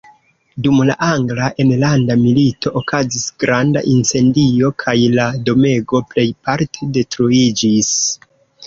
Dum la angla enlanda milito okazis granda incendio, kaj la domego plejparte detruiĝis.